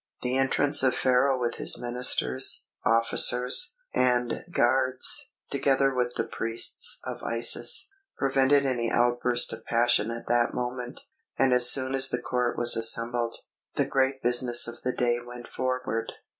The entrance of Pharaoh with his ministers, officers, and guards, together with the priests of Isis, prevented any outburst of passion at that moment; and as soon as the Court was assembled, the great business of the day went forward.